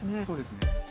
そうですね。